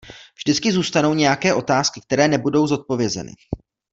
Vždycky zůstanou nějaké otázky, které nebudou zodpovězeny.